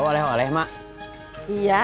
kalo yang beda permohon sampe aja